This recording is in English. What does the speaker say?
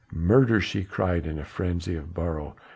"Murder!" she cried in a frenzy of sorrow.